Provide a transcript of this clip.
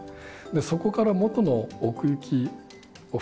そこから元の奥行きを含む